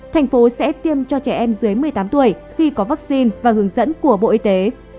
thành phố sẽ tiêm cho trẻ em dưới một mươi tám tuổi khi có vaccine và hướng dẫn của bộ y tế